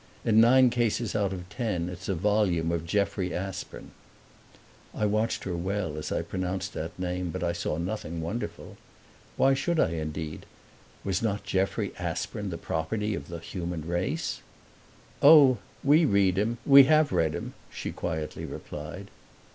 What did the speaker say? In nine cases out of ten it's a volume of Jeffrey Aspern." I watched her well as I pronounced that name but I saw nothing wonderful. Why should I indeed was not Jeffrey Aspern the property of the human race? "Oh, we read him we HAVE read him," she quietly replied.